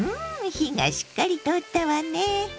火がしっかり通ったわね。